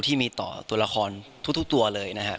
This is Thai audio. ที่มีต่อตัวละครทุกตัวเลยนะครับ